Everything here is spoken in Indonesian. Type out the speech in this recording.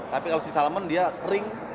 tapi kalau si salaman dia kering